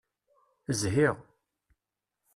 Zhiɣ.